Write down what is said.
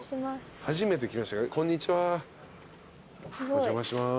お邪魔します。